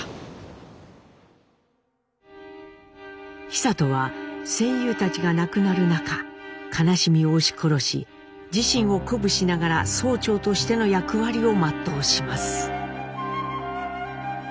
久渡は戦友たちが亡くなる中悲しみを押し殺し自身を鼓舞しながら曹長としての役割を全うします。